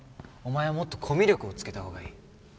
お前はもっとコミュ力をつけたほうがいい。